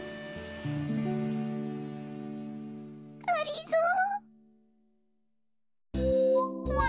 がりぞー。